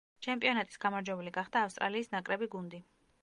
ჩემპიონატის გამარჯვებული გახდა ავსტრალიის ნაკრები გუნდი.